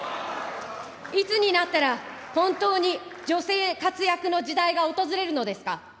いつになったら、本当に女性活躍の時代が訪れるのですか。